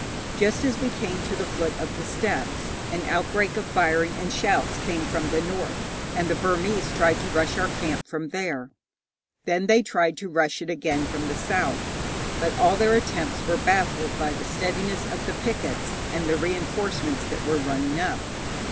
Just as we came to the foot of the steps an outbreak of firing and shouts came from the north, and the Burmese tried to rush our camp from there; then they tried to rush it again from the south, but all their attempts were baffled by the steadiness of the pickets and the reinforcements that were running up.